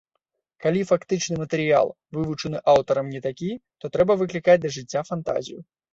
Калі фактычны матэрыял, вывучаны аўтарам, не такі, то трэба выклікаць да жыцця фантазію.